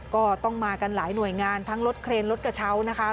ก็ต้องมากันหลายหน่วยงานทั้งรถเครนรถกระเช้านะคะ